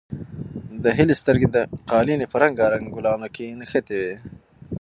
د هیلې سترګې د قالینې په رنګارنګ ګلانو کې نښتې وې.